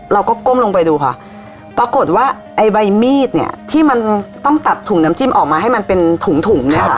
ก้มลงไปดูค่ะปรากฏว่าไอ้ใบมีดเนี่ยที่มันต้องตัดถุงน้ำจิ้มออกมาให้มันเป็นถุงถุงเนี่ยค่ะ